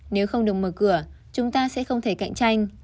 nếu không được mở cửa chúng ta sẽ không thể cạnh tranh